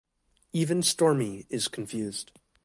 Even Stormy is confused.